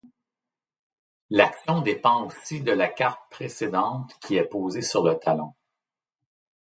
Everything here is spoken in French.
L'action dépend aussi de la carte précédente qui est posée sur le talon.